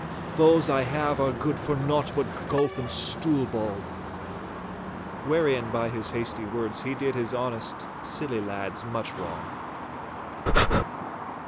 Those I have are good for naught but golf and stool ball.' Wherein by his hasty words he did his honest, silly lads much wrong.